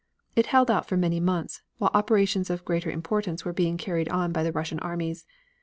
It held out for many months, while operations of greater importance were being carried on by the Russian armies.